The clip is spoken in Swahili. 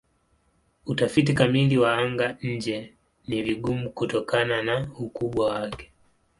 Utafiti kamili wa anga-nje ni vigumu kutokana na ukubwa wake.